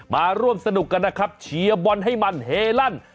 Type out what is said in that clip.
พบสนุกกันนะครับเชียวบอลให้มันเฮลั่น